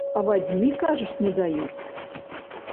Авадні, кажаш, не даюць?